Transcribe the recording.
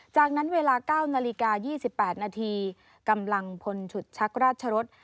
จากนั้นเวลา๙นาฬิกา๒๘นาทีกำลังพลฉุดชักราชรส